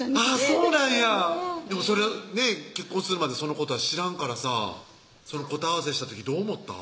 そうなんやでもそれねぇ結婚するまでそのことは知らんからさ答え合わせした時どう思った？